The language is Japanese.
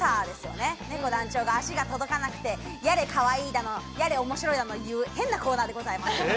ねこ団長の足が届かなくて、やれかわいいだの、面白いだの言う変なコーナーでございます。